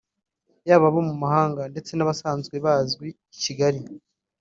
haba abo mu mahanga ndetse n’abasanzwe bazwi i Kigali